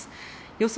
予想